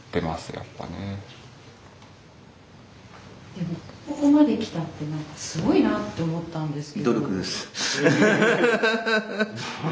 でもここまできたって何かすごいなって思ったんですけど。